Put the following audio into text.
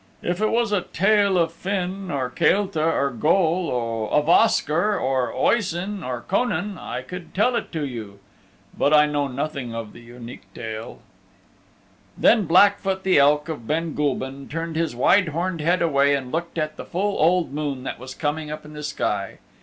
If it was a Tale of Finn or Caelta or Goll, of Oscar or Oisin or Conan, I could tell it to you. But I know nothing of the Unique Tale." Then Blackfoot the Elk of Ben Gulban turned his wide horned head away and looked at the full old moon that was coming up in the sky.